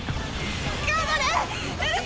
頑張れ！